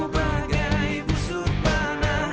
bagi ibu supana